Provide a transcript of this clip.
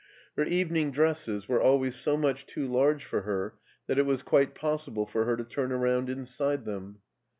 Her evening dresses were always so much too large for her that it was quite possible for her to turn around inside them.